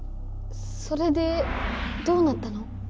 それでどうなったの？